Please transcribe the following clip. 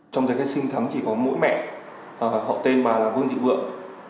trong thời khai sinh thắng chỉ có mỗi mẹ họ tên bà là vương thị vượng